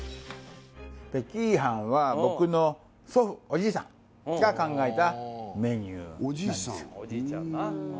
北京飯は僕の祖父おじいさんが考えたメニューなんですよ